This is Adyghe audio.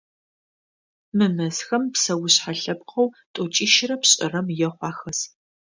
Мы мэзхэм псэушъхьэ лъэпкъэу тӏокӏищрэ пшӏырэм ехъу ахэс.